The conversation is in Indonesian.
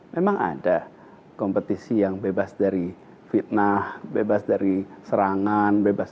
memang ada kompetisi yang bebas dari fitnah bebas dari serangan bebas